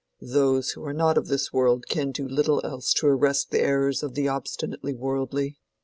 "Those who are not of this world can do little else to arrest the errors of the obstinately worldly.